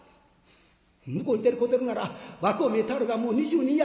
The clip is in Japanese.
「向こういてる小照なら若う見えたあるがもう２２や」。